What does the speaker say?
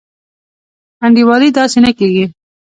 انډيوالي داسي نه کيږي.